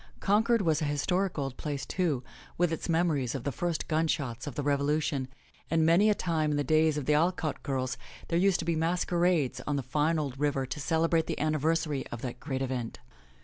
Concord was an historic old place, too, with its memories of the first gun shots of the Revolution, and many a time in the days of the Alcott girls, there used to be masquerades on the fine old river to celebrate the anni versary of that great event.